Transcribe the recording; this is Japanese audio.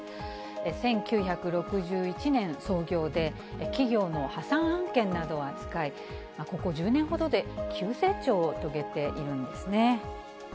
１９６１年創業で、企業の破産案件などを扱い、ここ１０年ほどで急成長を遂げているんですね。